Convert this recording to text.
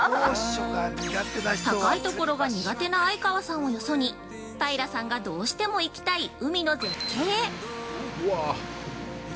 ◆高いところが苦手な相川さんをよそに、平さんが、どうしても行きたい海の絶景へ！